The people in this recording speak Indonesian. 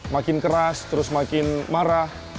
makin keras terus makin marah